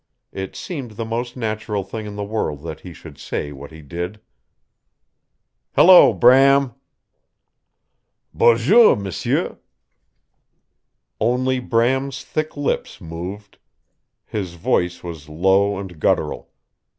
It seemed the most natural thing in the world that he should say what he did. "Hello, Bram!" "Boo joo, m'sieu!" Only Bram's thick lips moved. His voice was low and guttural.